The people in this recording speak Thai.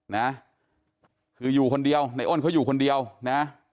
นะคืออยู่คนเดียวในอ้นเขาอยู่คนเดียวนะ